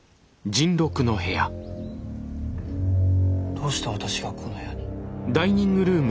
どうして私がこの部屋に？